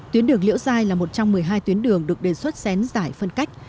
tuyến đường liễu giai là một trong một mươi hai tuyến đường được đề xuất xén giải phân cách